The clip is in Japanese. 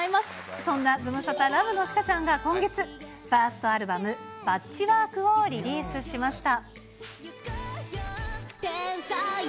そんなズムサタラブの朱夏ちゃんが、今月、ファーストアルバム、パッチワークをリリースしました。